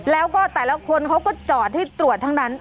แล้วก็แต่ละคนเขาก็จอดให้ตรวจทั้งนั้น